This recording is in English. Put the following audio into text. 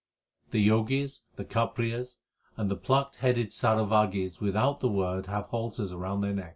The Jogis, the Kaprias, and the plucked headed Sara without the Word have halters round their necks.